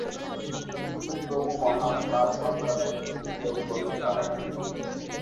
কিন্তু প্রভু মহান্, তাঁর সন্তানের ক্ষতি কেউ করতে পারে না।